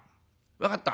分かった。